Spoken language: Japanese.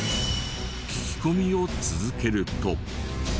聞き込みを続けると。